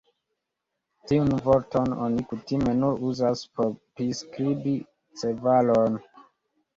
Tiun vorton oni kutime nur uzas por priskribi ĉevalon.